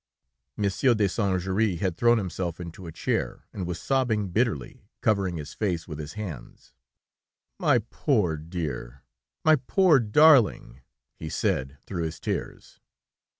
Monsieur de Saint Juéry had thrown himself into a chair, and was sobbing bitterly, covering his face with his hands. "My poor dear, my poor darling," he said, through his tears.